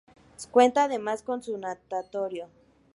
Cuenta además con un natatorio.